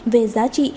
về giá trị